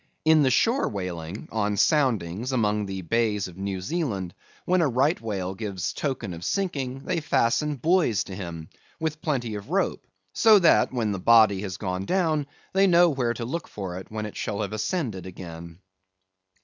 In the Shore Whaling, on soundings, among the Bays of New Zealand, when a Right Whale gives token of sinking, they fasten buoys to him, with plenty of rope; so that when the body has gone down, they know where to look for it when it shall have ascended again.